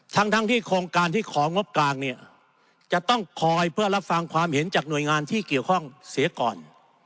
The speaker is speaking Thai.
ทั้งที่โครงการที่ของงบกลางเนี่ยจะต้องคอยเพื่อรับฟังความเห็นจากหน่วยงานที่เกี่ยวข้องเสียก่อน